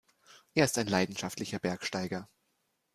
Er ist ein leidenschaftlicher Bergsteiger.